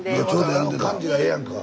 あの感じがええやんか。